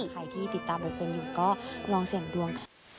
ใครที่ติดตามใบเพลงอยู่ก็ลองเสียงดวง